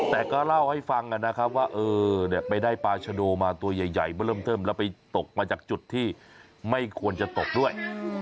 แต่ก็เล่าให้ฟังกันนะครับว่าเออไปได้ปลาชโดมาตัวใหญ่